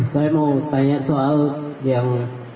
saya mau tanya soal yang